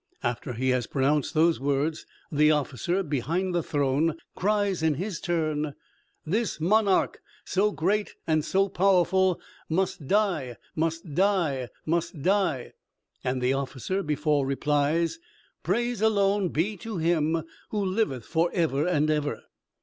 "After he has pronounced those words, the officer behind the throne cries in his turn, 'This monarch, so great and so powerful, must die, must die, must die!' And the officer before replies, 'Praise alone be to Him who liveth for ever and ever.'"